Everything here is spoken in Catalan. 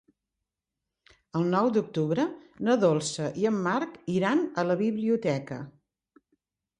El nou d'octubre na Dolça i en Marc iran a la biblioteca.